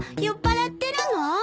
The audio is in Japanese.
酔っぱらってるの？